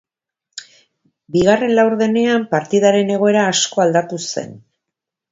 Bigarren laurdenean partidaren egoera asko aldatu zen.